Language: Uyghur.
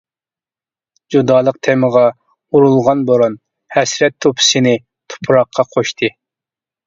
جۇدالىق تېمىغا ئۇرۇلغان بوران، ھەسرەت تۇپىسىنى تۇپراققا قوشتى.